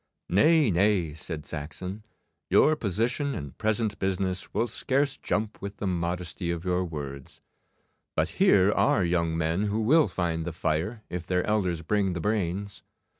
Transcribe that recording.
'Nay, nay,' said Saxon, 'your position and present business will scarce jump with the modesty of your words. But here are young men who will find the fire if their elders bring the brains.